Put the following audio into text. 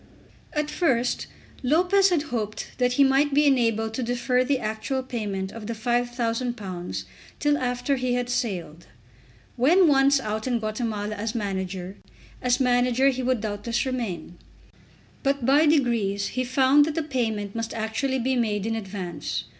At first Lopez had hoped that he might be enabled to defer the actual payment of the £5000 till after he had sailed. When once out in Guatemala as manager, as manager he would doubtless remain. But by degrees he found that the payment must actually be made in advance.